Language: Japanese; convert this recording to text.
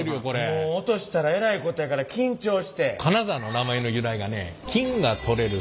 もう落としたらえらいことやから緊張して。